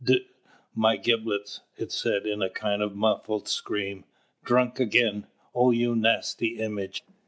"D n my giblets!" it said, in a kind of muffled scream. "Drunk again! Oh, you nasty image!"